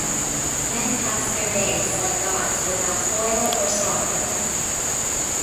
Men passed their days like gods without toil or sorrow.